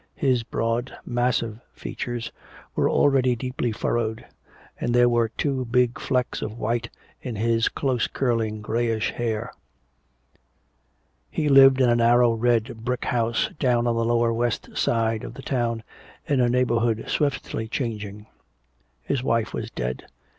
His broad, massive features were already deeply furrowed, and there were two big flecks of white in his close curling, grayish hair. He lived in a narrow red brick house down on the lower west side of the town, in a neighborhood swiftly changing. His wife was dead.